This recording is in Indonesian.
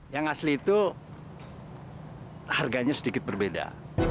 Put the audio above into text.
yang asli itu harganya sedikit berbeda